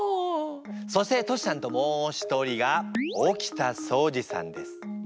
そしてトシちゃんともう一人が沖田総司さんです。